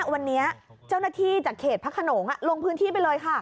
วันนี้เจ้าหน้าที่จากเขตพระขนงลงพื้นที่ไปเลยค่ะ